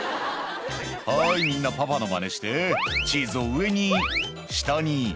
「はいみんなパパのマネして」「チーズを上に下に」